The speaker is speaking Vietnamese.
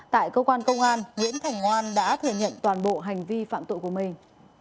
tại cơ quan công an nguyễn thành ngoan đã thừa nhận toàn bộ hành vi phạm tội của mình